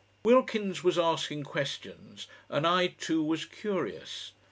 Wilkins was asking questions, and I, too, was curious.